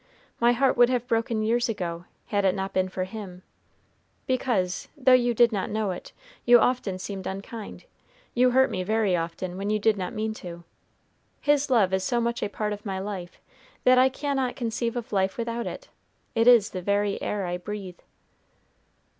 My heart would have broken years ago, had it not been for Him; because, though you did not know it, you often seemed unkind; you hurt me very often when you did not mean to. His love is so much a part of my life that I cannot conceive of life without it. It is the very air I breathe."